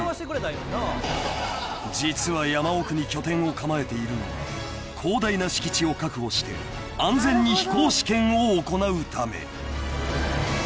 ［実は山奥に拠点を構えているのは広大な敷地を確保して安全に飛行試験を行うため］